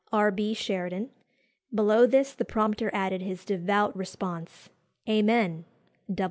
R. B. SHERIDAN." Below this the prompter added his devout response "Amen.